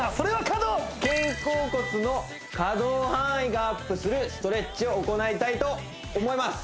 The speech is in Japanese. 肩甲骨の可動範囲がアップするストレッチを行いたいと思います